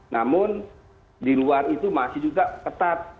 namun di luar itu masih juga ketat